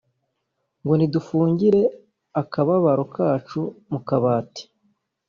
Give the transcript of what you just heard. ngo nidufungire akababaro kacu mu kabati